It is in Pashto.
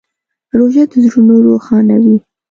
روژه د زړونو روښانوي.